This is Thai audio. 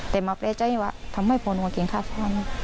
แต่มาแปลใจว่าทำให้พอลงกับเกณฑ์ค่าฟาร์ม